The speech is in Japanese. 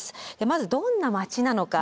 まずどんな町なのか。